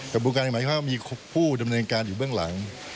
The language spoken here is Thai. ขบวนการอย่างไหนก็มีผู้ดำเนินการอยู่เหลือหลัง